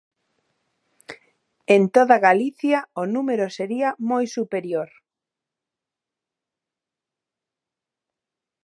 En toda Galicia, o número sería moi superior.